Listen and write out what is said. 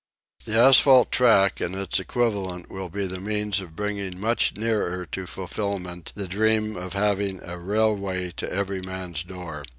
The asphalt track and its equivalent will be the means of bringing much nearer to fulfilment the dream of having "a railway to every man's door".